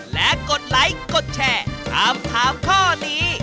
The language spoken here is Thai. และกดไลค์กดแชร์ถามถามข้อนี้